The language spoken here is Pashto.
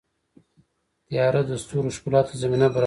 • تیاره د ستورو ښکلا ته زمینه برابروي.